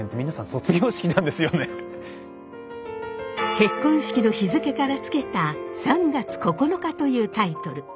結婚式の日付から付けた「３月９日」というタイトル。